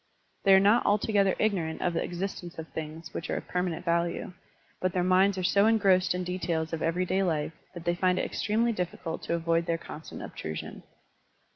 They are not altogether ignorant of the existence of things which are of permanent value, but their minds are so engrossed in details of everyday life that they find it extremely diffi cult to avoid their constant obtrusion.